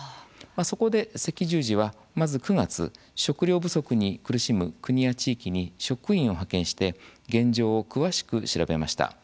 そこで赤十字は、まず９月食料不足に苦しむ国や地域に職員を派遣して現状を詳しく調べました。